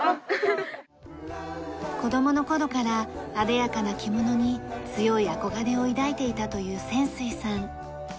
子どもの頃からあでやかな着物に強い憧れを抱いていたという泉水さん。